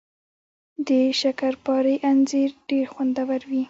د شکرپارې انځر ډیر خوندور وي